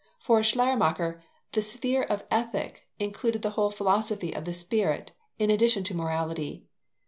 For Schleiermacher, the sphere of Ethic included the whole Philosophy of the Spirit, in addition to morality.